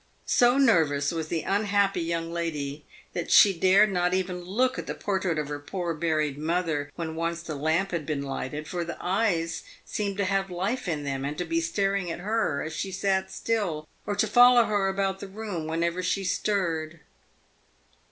So nervous was the unhappy young lady that she dared not even look at the portrait of her poor buried mother when once the lamp had been lighted, for the eyes seemed to have life in them and to be staring at her as she sat still, or to follow her about the room whenever she stirred.